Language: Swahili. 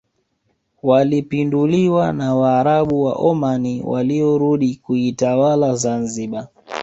walipinduliwa na waarabu wa Oman waliorudi kuitawala Zanzibar